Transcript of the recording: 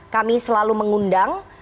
kami selalu mengundang